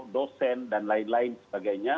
dosen dan lain lain sebagainya